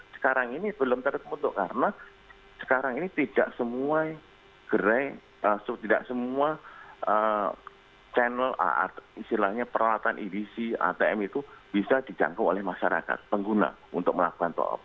sekarang ini belum terbentuk karena sekarang ini tidak semua gerai tidak semua channel istilahnya peralatan edc atm itu bisa dijangkau oleh masyarakat pengguna untuk melakukan top up